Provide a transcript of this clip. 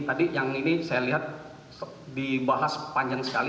tadi yang ini saya lihat dibahas panjang sekali